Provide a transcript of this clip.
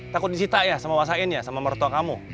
takut disita ya sama wasain ya sama mertua kamu